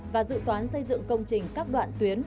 và dự toán xây dựng công trình các đoạn tuyến